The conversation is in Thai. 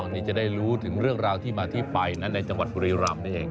นี่จะได้รู้ถึงเรื่องราวที่มาที่ไปนะในจังหวัดบุรีรำนี่เอง